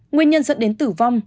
nguyên nhân dẫn đến tử vong